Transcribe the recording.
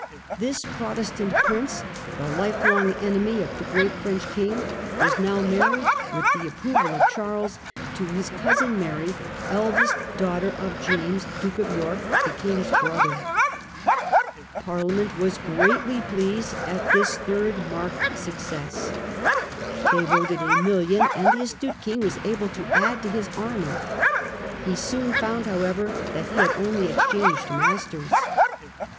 This Protestant prince, the lifelong enemy of the great French king, was now married, with the approval of Charles, to his cousin Mary, eldest daughter of James, Duke of York, the king's brother. Parliament was greatly pleased at this third marked success. They voted a mil lion, and the astute king was able to add to his army. He soon found, however, that he had only exchanged masters.